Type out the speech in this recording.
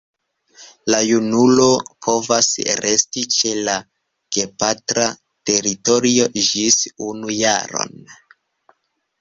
La junulo povas resti ĉe la gepatra teritorio ĝis unu jaron.